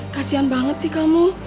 kasian banget sih kamu